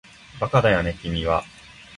バカだよね君は